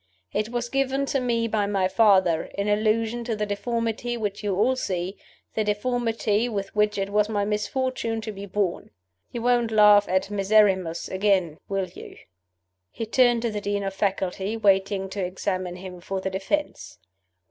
It was given to me by my father, in allusion to the deformity which you all see the deformity with which it was my misfortune to be born. You won't laugh at 'Miserrimus' again, will you?" He turned to the Dean of Faculty, waiting to examine him for the defense.